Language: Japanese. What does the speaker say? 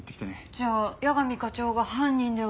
じゃあ矢上課長が犯人では？